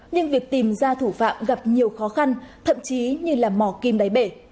nhưng việc tìm ra thủ phạm gặp nhiều khó khăn thậm chí như là mỏ kim đáy bể